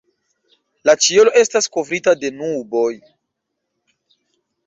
La ĉielo estas kovrita de nuboj.